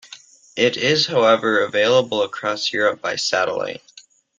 It is however available across Europe by satellite.